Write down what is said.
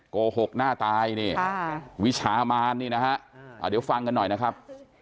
โกหกหน้าตายนี่วิชามานนี่นะฮะเดี๋ยวฟังกันหน่อยนะครับ